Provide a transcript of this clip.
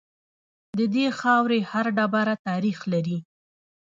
د دې خاورې هر ډبره تاریخ لري